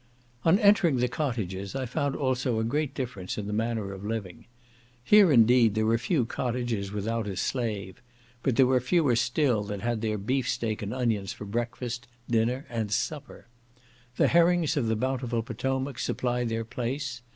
On entering the cottages I found also a great difference in the manner of living. Here, indeed, there were few cottages without a slave, but there were fewer still that had their beefsteak and onions for breakfast, dinner, and supper. The herrings of the bountiful Potomac supply their place.